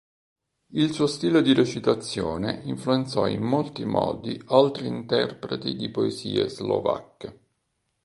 Il suo stile di recitazione influenzò in molti modi altri interpreti di poesie slovacche.